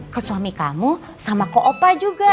ke suami kamu sama ko opa juga